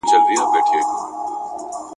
د هیلې په غومبورو کې د غوسې او خپګان نښې پاتې وې.